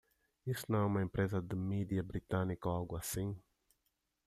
Isso não é uma empresa de mídia britânica ou algo assim?